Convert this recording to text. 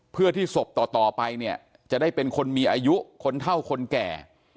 เพื่อที่ศพต่อไปเนี่ยจะได้เป็นคนมีอายุคนเท่าคนแก่